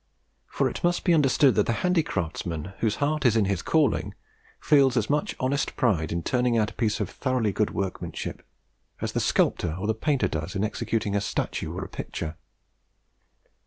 For it must be understood that the handicraftsman whose heart is in his calling, feels as much honest pride in turning out a piece of thoroughly good workmanship, as the sculptor or the painter does in executing a statue or a picture.